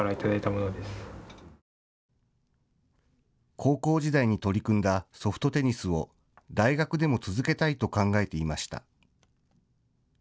高校時代に取り組んだソフトテニスを大学でも続けたいと考えていました。